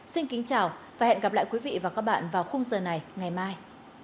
xin kính chào và hẹn gặp lại quý vị và các bạn vào khung giờ này ngày mai